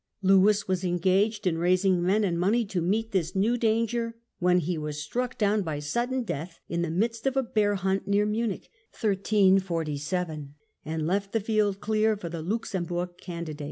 Lewis was engaged in raising men and money to meet this new danger, Death of wheii he was struck down by sudden death in the midst \^^j^' of a bear hunt near Munich, and left the field clear for the Luxemburg candidate.